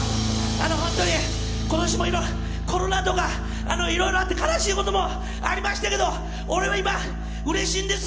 あの、本当に今年もいろいろコロナとかいろいろあって悲しいこともありましたけど、俺は今、うれしいんです。